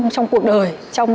trong cuộc đời